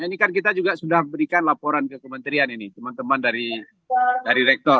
ini kan kita juga sudah berikan laporan ke kementerian ini teman teman dari rektor